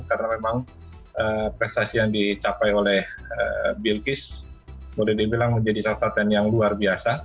karena memang prestasi yang dicapai oleh bill kiss boleh dibilang menjadi saltaten yang luar biasa